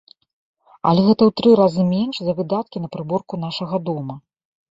Але гэта ў тры разы менш за выдаткі на прыборку нашага дома.